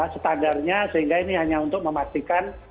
standarnya sehingga ini hanya untuk memastikan